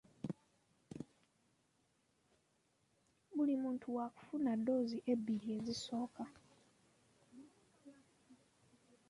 Buli muntu wa kufuna ddoozi ebbiri ezisooka.